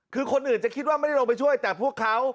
คือคนอื่นจะคิดว่าไม่ได้ลงไปช่วยแต่พวกเขา